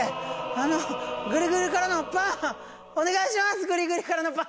あのグリグリからのパンをお願いします。